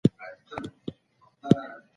صنعتي کاروبار څنګه د نوښت ملاتړ کوي؟